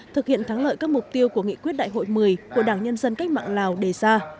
thực hiện thắng lợi các mục tiêu của nghị quyết đại hội một mươi của đảng nhân dân cách mạng lào đề ra